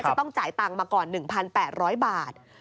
จะต้องจ่ายตังค์มาก่อน๑๘๐๐บาท